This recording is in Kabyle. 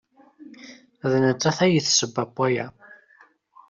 D nettat ay d tasebba n waya.